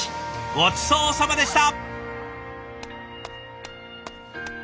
ごちそうさまでした！